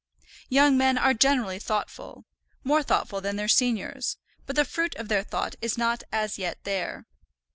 Young men are generally thoughtful, more thoughtful than their seniors; but the fruit of their thought is not as yet there.